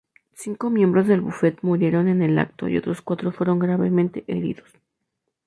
Cinco miembros del bufete murieron en el acto y otros cuatro fueron gravemente heridos.